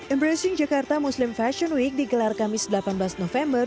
embracing jakarta muslim fashion week digelar kamis delapan belas november